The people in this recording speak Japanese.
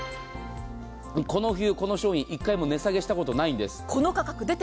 この冬、この商品１回も値下げしたことないんです。